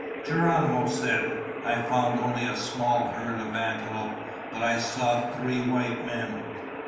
Geronimo said, "I found only a small herd of antelope, but I saw three white men.